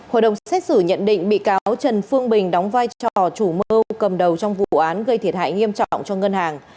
hội đồng xét xử nhận định bị cáo trần phương bình đóng vai trò chủ mưu cầm đầu trong vụ án gây thiệt hại nghiêm trọng cho ngân hàng